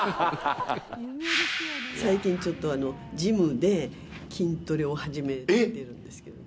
最近、ちょっとジムで筋トレを始めてるんですけど。